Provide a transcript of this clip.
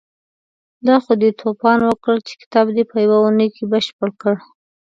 دا خو دې توپان وکړ چې کتاب دې په يوه اونۍ کې بشپړ کړ.